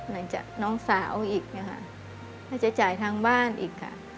ไหนจะน้องสาวอีกค่ะถ้าจะจ่ายทางบ้านอีกค่ะ